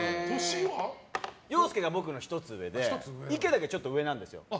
洋介が僕の１つ上で池だけちょっと上なんですよ。